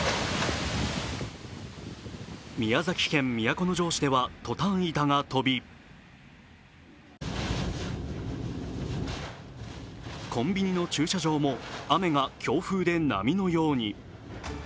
宮城県都城市ではトタン板が飛びコンビニの駐車場も雨が強風で波のように。